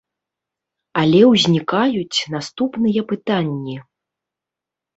Але ўзнікаюць наступныя пытанні.